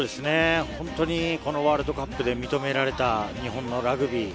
本当にワールドカップで認められた日本のラグビー。